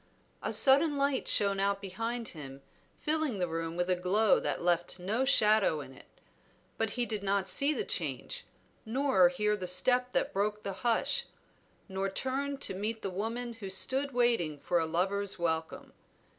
A sudden light shone out behind him filling the room with a glow that left no shadow in it. But he did not see the change, nor hear the step that broke the hush, nor turn to meet the woman who stood waiting for a lover's welcome.